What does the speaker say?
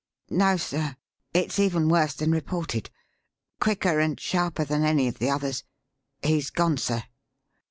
"No, sir. It's even worse than reported. Quicker and sharper than any of the others. He's gone, sir."